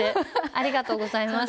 ありがとうございます。